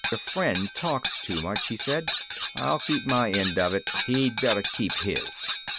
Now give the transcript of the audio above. "Your friend talks too much," he said. "I'll keep my end of it. He'd better keep his."